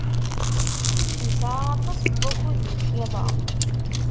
Nesɛa aṭas n wakud deg yiḍ-a.